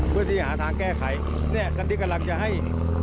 เพื่อที่หาทางแก้ไขเนี่ยตอนนี้กำลังจะให้